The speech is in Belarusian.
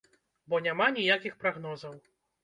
Бо няма ніякіх прагнозаў.